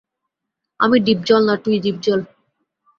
আমি ডিপজল না, তুই ডিপজল।